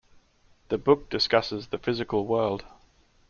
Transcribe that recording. The book discusses the physical world.